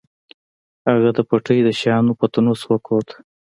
هغه د پټۍ د شيانو پتنوس وکوت.